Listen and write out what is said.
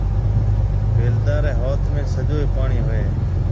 بيلدار ريَ هاٿ ۾ سجو پوڻِي هوئي هيَ۔